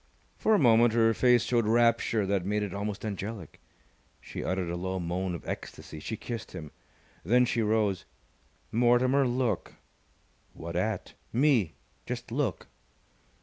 For a moment her face showed rapture that made it almost angelic. She uttered a low moan of ecstasy. She kissed him. Then she rose. "Mortimer, look!" "What at?" "Me. Just look!"